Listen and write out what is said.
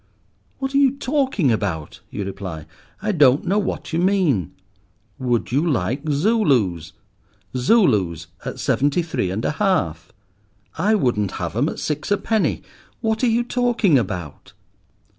"What are you talking about?" you reply; "I don't know what you mean." "Would you like Zulus—Zulus at seventy three and a half?" "I wouldn't have 'em at six a penny. What are you talking about?"